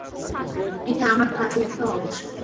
এটা আমার কাজের একটা অংশ।